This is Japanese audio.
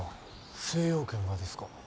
精養軒がですか？